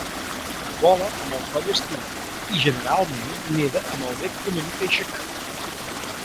Vola amb el coll estirat i generalment neda amb el bec una mica aixecat.